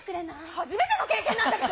初めての経験なんだけど。